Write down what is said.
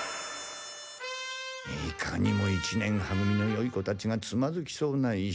いかにも一年は組のよい子たちがつまずきそうな石だ。